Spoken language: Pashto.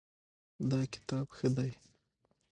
دا کتاب ښه دی